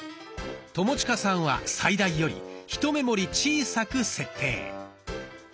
友近さんは最大よりひと目盛り小さく設定。